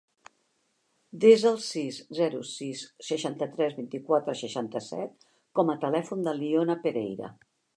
Desa el sis, zero, sis, seixanta-tres, vint-i-quatre, seixanta-set com a telèfon de l'Iona Pereira.